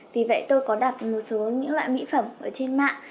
vì vậy tôi có đặt một số những loại mỹ phẩm trên mạng